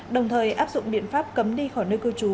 đồng thời áp dụng biện pháp cấm đi khỏi nơi cư trú